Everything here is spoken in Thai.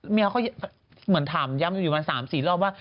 เมียเขาเหมือนถามย้ำอยู่ประมาณ๓๔รอบว่า